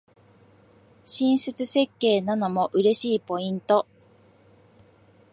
親切設計なのも嬉しいポイント